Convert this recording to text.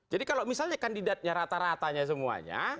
jadi kalau misalnya kandidatnya rata ratanya semuanya